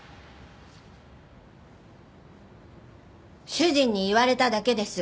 主人に言われただけです。